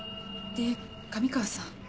で神川さん。